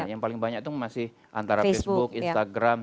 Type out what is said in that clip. yang paling banyak itu masih antara facebook instagram